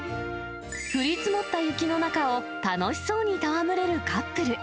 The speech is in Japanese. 降り積もった雪の中を楽しそうに戯れるカップル。